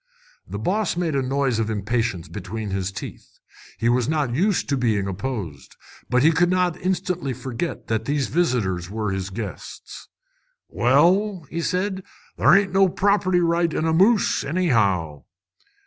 The boss made a noise of impatience between his teeth. He was not used to being opposed, but he could not instantly forget that these visitors were his guests. "Well," said he, "there ain't no property right in a moose, anyhow!"